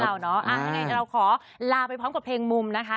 ยังไงเราขอลาไปพร้อมกับเพลงมุมนะคะ